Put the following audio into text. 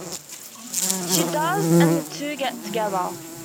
She does, and the two get together.